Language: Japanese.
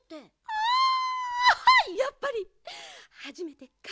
うん！